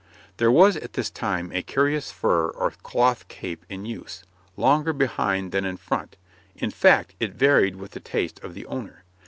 There was at this time a curious fur or cloth cape in use, longer behind than in front in fact, it varied with the taste of the owner.